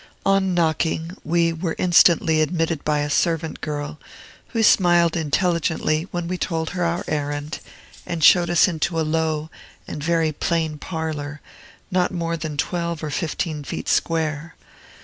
On knocking, we were instantly admitted by a servant girl, who smiled intelligently when we told our errand, and showed us into a low and very plain parlor, not more than twelve or fifteen feet square.